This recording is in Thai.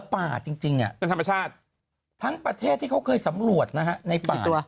ก็หันทั้งประเทศที่เขาเคยสำรวจนะฮะในป่าว